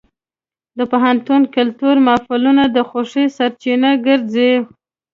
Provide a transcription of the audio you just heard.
د پوهنتون کلتوري محفلونه د خوښۍ سرچینه ګرځي.